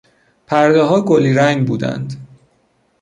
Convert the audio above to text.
پردهها گلی رنگ بودند.